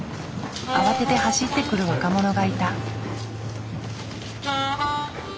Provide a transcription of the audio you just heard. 慌てて走ってくる若者がいた。